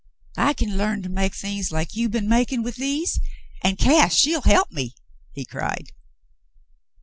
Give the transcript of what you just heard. "I kin larn to make things like you b'en makin' with these, an' Cass, she'll he'p me," he cried.